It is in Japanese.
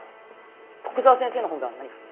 古久沢先生の本が何か？